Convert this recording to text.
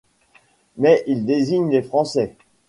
Mais il désigne les Français.